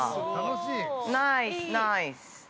ナイス、ナイス。